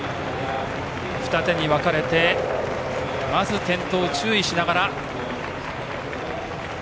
二手に分かれてまずは転倒に注意しながら。